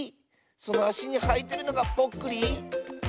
そのあしにはいてるのがぽっくり？